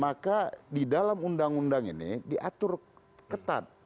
maka di dalam undang undang ini diatur ketat